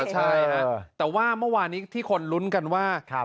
ใช่ฮะแต่ว่าเมื่อวานนี้ที่คนลุ้นกันว่า